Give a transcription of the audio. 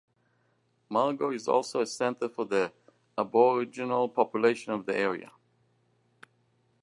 Mogo is also a centre for the Aboriginal population of the area.